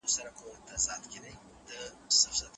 لوړ کیفیت لرونکي زعفران لوړه بیه لري.